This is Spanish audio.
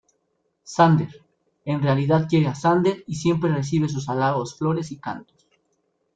Zander: en realidad quiere a Zander y siempre recibe sus halagos, flores y cantos.